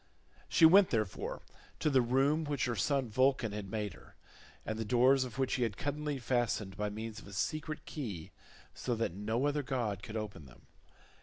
She went, therefore, to the room which her son Vulcan had made her, and the doors of which he had cunningly fastened by means of a secret key so that no other god could open them.